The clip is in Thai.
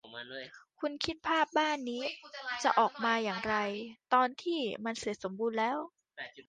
คุณคิดภาพบ้านนี้จะออกมาอย่างไรตอนที่มันเสร็จสมบูรณ์แล้ว